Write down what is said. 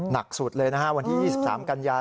หนักสุดเลยนะฮะวันที่๒๓กันยา